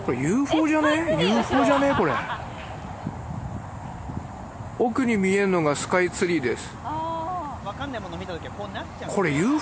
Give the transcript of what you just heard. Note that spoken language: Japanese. これ・奥に見えるのがスカイツリーです